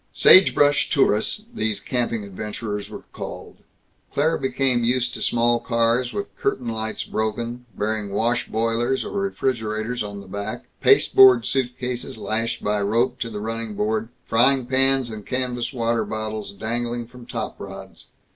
"Sagebrush Tourists" these camping adventurers were called. Claire became used to small cars, with curtain lights broken, bearing wash boilers or refrigerators on the back, pasteboard suitcases lashed by rope to the running board, frying pans and canvas water bottles dangling from top rods.